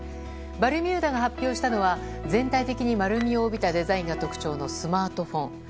バルミューダが発表したのは全体的に丸みを帯びたデザインが特徴のスマートフォン。